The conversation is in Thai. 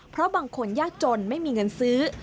เพราะบางคนยากจนไม่มีเงินซื้อ